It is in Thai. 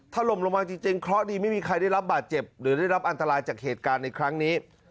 ถล่มลงมาจริงเคราะห์ดีไม่มีใครได้รับบาดเจ็บหรือได้รับอันตรายจากเหตุการณ์ในครั้งนี้